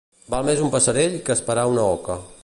Val més un passerell que esperar una oca.